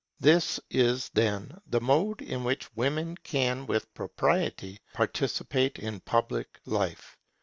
This is, then, the mode in which women can with propriety participate in public life.